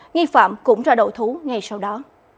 nghi phạm cũng ra đậu thú ngay sau đó